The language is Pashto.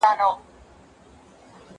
زه مخکي بازار ته تللی و؟